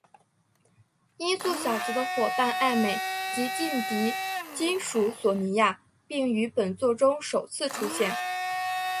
音速小子的夥伴艾美及劲敌金属索尼克并于本作中首次出现。